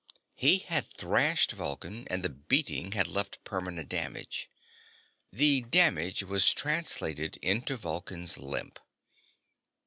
He had thrashed Vulcan, and the beating had left permanent damage. The damage was translated into Vulcan's limp.